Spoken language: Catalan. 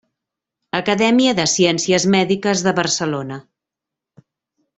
Acadèmia de Ciències Mèdiques de Barcelona.